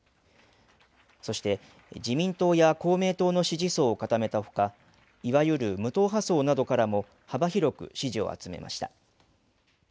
そして、自民党や公明党の支持層を固めたほかいわゆる無党派層などからも幅広く支持を集めました。